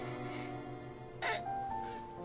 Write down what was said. うっ